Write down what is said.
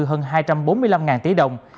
hơn hai trăm bốn mươi năm tỷ đồng